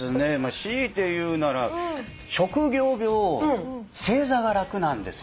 強いて言うなら職業病正座が楽なんですよ。